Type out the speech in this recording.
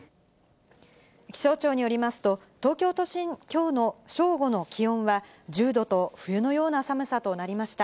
気象庁によりますと、東京都心、きょうの正午の気温は１０度と、冬のような寒さとなりました。